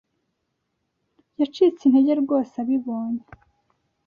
Yacitse intege rwose abibonye.